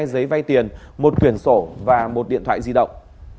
hai giấy vay tiền một quyển sổ và một điện thoại di động